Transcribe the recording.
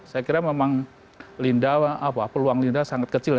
saya kira memang peluang linda sangat kecil